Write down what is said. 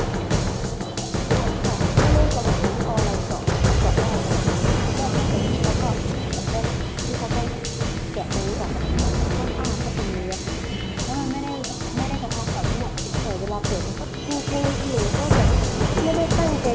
ที่สุดคือเขาทำอะไรก็จะมีความว่าไม่รับผิดชอบอะไรเลยค่ะ